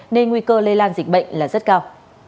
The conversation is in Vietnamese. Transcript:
nên nguy cơ lây lan dịch bệnh rất cao